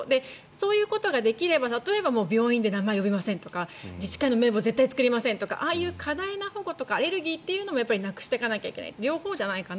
そういうことができれば例えば病院で名前を呼びませんとか自治体の名簿を絶対に作りませんとかああいう過大な保護とかアレルギーというのもなくしていかなきゃいけない。